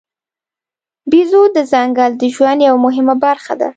بیزو د ځنګل د ژوند یوه مهمه برخه ده.